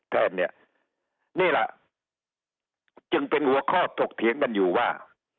แทนเนี่ยนี่แหละจึงเป็นหัวข้อถกเถียงกันอยู่ว่า